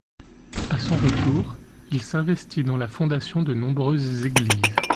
À son retour, il s’investit dans la fondation de nombreuses églises.